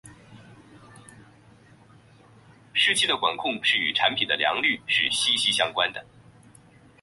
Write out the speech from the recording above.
湿气的管控是与产品的良率是息息相关的。